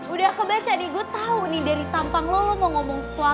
udah kebaca nih gue tau nih dari tampang lo lo mau ngomong sesuatu nih